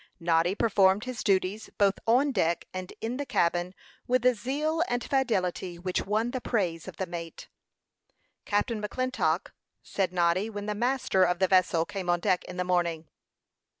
Noddy performed his duties, both on deck and in the cabin, with a zeal and fidelity which won the praise of the mate. "Captain McClintock," said Noddy, when the master of the vessel came on deck in the morning.